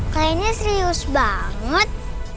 kalian yeres banget